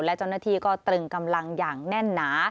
และเจ้าหน้าที่ก็ตรึงกำลังอย่างแน่นหนา